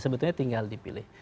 sebetulnya tinggal dipilih